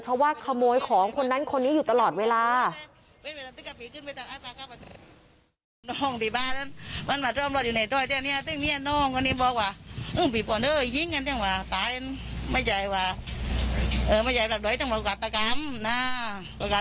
เพราะว่าขโมยของคนนั้นคนนี้อยู่ตลอดเวลา